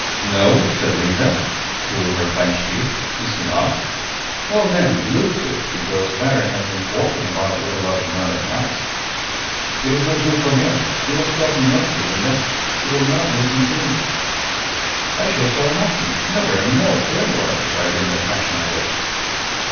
"No?" said Linda, through her clenched teeth. "Is he not? Well, then, look to it; because father has been walking about with a loaded gun at night." "It is not good for him. You must tell him not to, Linda. He will not listen to me." "I shall say nothing never any more to anybody," cried Linda, passionately.